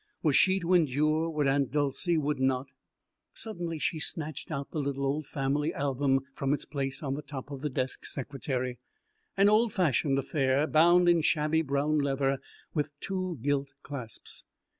Was she to endure what Aunt Dolcey would not? Suddenly she snatched out the little old family album from its place in the top of the desk secretary, an old fashioned affair bound in shabby brown leather with two gilt clasps.